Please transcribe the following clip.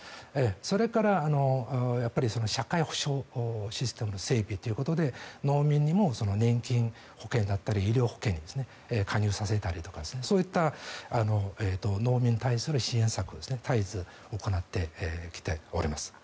それから、社会保障システムの整備ということで農民にも年金保険だったり医療保険に加入させたりそういった農民に対する支援策を絶えず行ってきております。